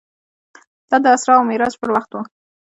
دا د اسرا او معراج پر وخت و.